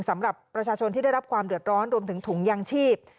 สำหรับประชาชนที่ได้รับความเดือดร้อนรวมถึงถุงยางชีพ